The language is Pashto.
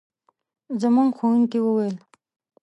زموږ ښوونکي وویل.